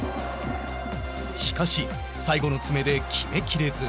しかし最後の詰めで決め切れず。